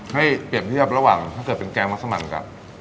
ให้เปรียบเทียบระหว่างถ้าเกิดเป็นแกงมัสมันกับ